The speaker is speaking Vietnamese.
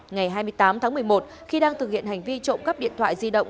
ngày hai mươi tám tháng một mươi một khi đang thực hiện hành vi trộm cắp điện thoại di động